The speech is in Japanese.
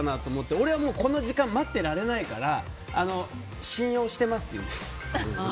俺はこの時間待ってられないから信用してますって言います。